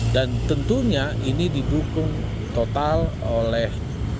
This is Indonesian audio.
dan tentunya ini didukung total oleh